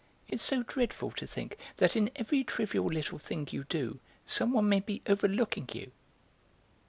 It's so dreadful to think that in every trivial little thing you do some one may be overlooking you."